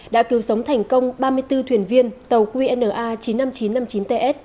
đã cứu sống thành công ba mươi bốn thuyền viên tàu qna chín mươi năm nghìn chín trăm năm mươi chín ts